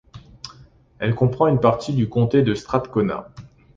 Elle comprend une partie du Comté de Strathcona.